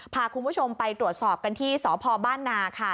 พาคุณผู้ชมไปตรวจสอบกันที่สพบ้านนาค่ะ